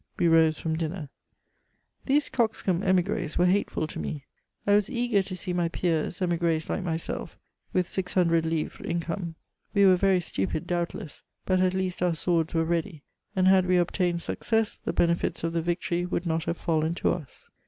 We rose fiom dinner. These coxcomb emigres were hateful to me ; I was eager ta see my peers, emigres^ like myself, with 600 livres inoome. We were very stupid, doubtless, but at least our swords were ready, and had we obtuned success, the benefits of the victooy would not have fiillen to us.